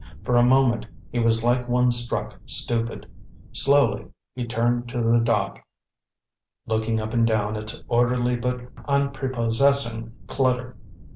For a moment he was like one struck stupid. Slowly he turned to the dock, looking up and down its orderly but unprepossessing clutter.